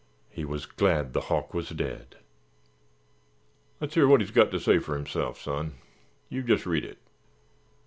He was glad the hawk was dead. "Let's hear wot he's got ter say fer himself, son. You jes' read it."